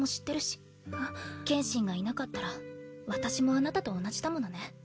剣心がいなかったら私もあなたと同じだものね。